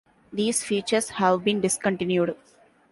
These features have been discontinued.